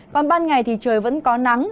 còn ban ngày thì trời vẫn có nắng